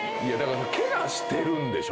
ケガしてるんでしょ。